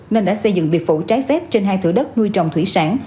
nên đã xây dựng biệt phủ trái phép trên hai thửa đất nuôi trồng thủy sản